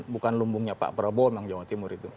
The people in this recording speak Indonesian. bukan lumbungnya pak prabowo memang jawa timur itu